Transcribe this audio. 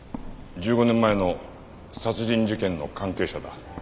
１５年前の殺人事件の関係者だ。